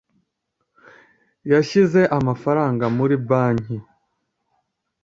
Yashyize amafaranga muri banki.